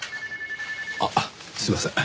あっすいません。